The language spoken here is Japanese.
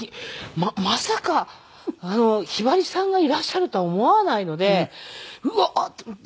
まさかひばりさんがいらっしゃるとは思わないのでうわっ！と思って。